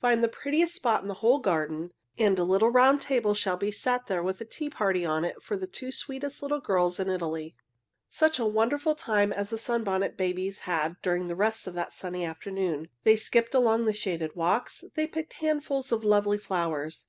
Find the prettiest spot in the whole garden, and a little round table shall be set there with a tea party on it for the two sweetest little girls in Italy." Such a wonderful time as the Sunbonnet Babies had during the rest of that sunny afternoon. They skipped along the shaded walks. They picked handfuls of lovely flowers.